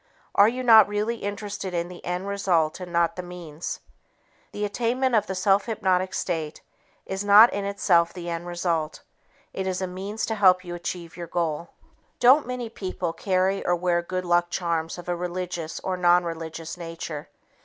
Are you not really interested in the end result and not the means? The attainment of the self hypnotic state is not in itself the end result; it is a means to help you achieve your goal. Don't many people carry or wear good luck charms of a religious or nonreligious nature?